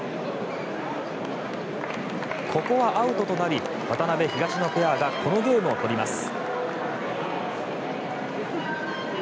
ここはアウトとなり渡辺、東野ペアがこのゲームを取ります。